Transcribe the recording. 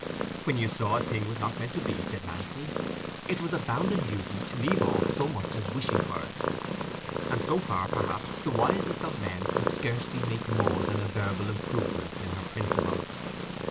When you saw a thing was not meant to be, said Nancy, it was a bounden duty to leave off so much as wishing for it. And so far, perhaps, the wisest of men could scarcely make more than a verbal improvement in her principle.